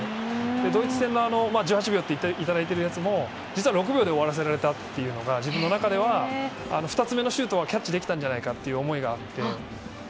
ドイツ戦の１８秒っていただいているやつも実は６秒で終わらせられたというのが自分の中では２つ目のシュートはキャッチできたという思いがあり